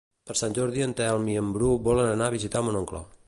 Per Sant Jordi en Telm i en Bru volen anar a visitar mon oncle.